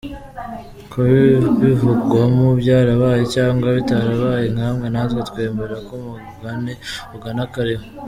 Kuba ibivugwamo byarabaye cyangwa bitarabaye nkamwe natwe twemera ko umugani ugana akariho!.